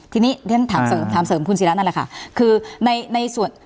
ที่นี่ที่ท่านถามเสริมคุณศิรัตน์นั่นแหละค่ะคือในในส่วน